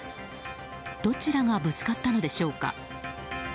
どちらがぶつかったのでしょうか。